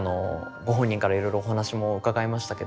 ご本人からいろいろお話も伺えましたけど。